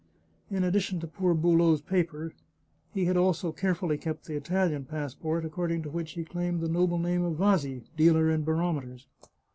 In addition to poor Boulot's papers he had also carefully kept the Italian passport according to which he claimed the noble name of Vasi, dealer in barometers.